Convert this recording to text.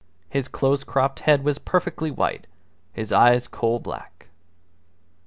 His close cropped head was perfectly white; his eyes coalblack.